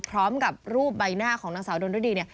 พร้อมกับรูปใบหน้าของนางสาวดนฤดีเนี่ย